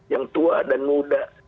yang tua dan muda